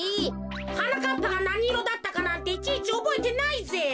はなかっぱがなにいろだったかなんていちいちおぼえてないぜ。